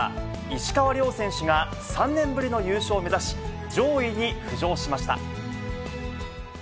石川遼選手が３年ぶりの優勝を目指し、上位に浮上しました。